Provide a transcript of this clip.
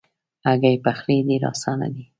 هګۍ پخلی ډېر آسانه دی.